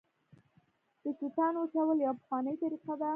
د توتانو وچول یوه پخوانۍ طریقه ده